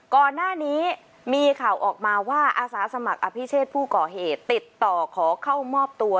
ก่อนหน้านี้มีข่าวออกมาว่าอาสาสมัครอภิเชษผู้ก่อเหตุติดต่อขอเข้ามอบตัว